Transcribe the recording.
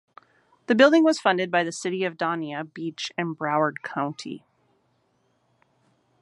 The building was funded by the City of Dania Beach and Broward County.